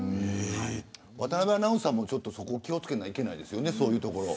渡邊アナウンサーも気を付けないといけないですね。